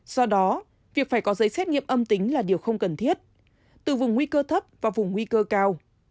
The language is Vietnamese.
do đó việc phải có giấy xét nghiệm âm tính là điều không cần thiết từ vùng nguy cơ thấp và vùng nguy cơ cao